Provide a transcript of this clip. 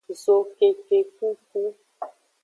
Zokekekuku.